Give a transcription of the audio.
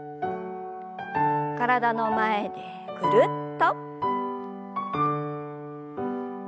体の前でぐるっと。